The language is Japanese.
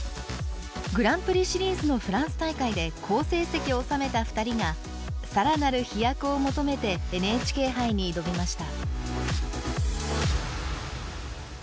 グランプリシリーズのフランス大会で好成績を収めた２人が更なる飛躍を求めてＮＨＫ杯に挑みました。